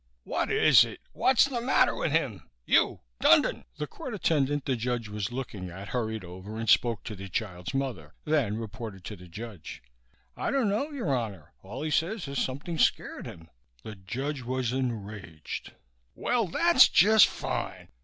"What is it? What's the matter with him? You, Dundon!" The court attendant the judge was looking at hurried over and spoke to the child's mother, then reported to the judge. "I dunno, Your Honor. All he says is something scared him." The judge was enraged. "Well, that's just fine!